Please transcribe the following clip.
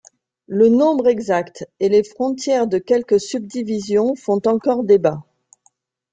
Le nombre exact et les frontières de quelques subdivisions font encore débat.